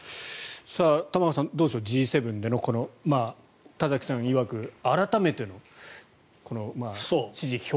玉川さん、どうでしょうこのＧ７での、田崎さんいわく改めての支持表明。